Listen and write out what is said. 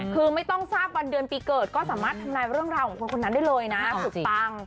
คือไม่ต้องทราบวันเดือนปีเกิดก็สามารถทำลายเรื่องราวของคนคนนั้นได้เลยนะสุดปัง